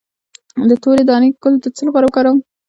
د تورې دانې ګل د څه لپاره وکاروم؟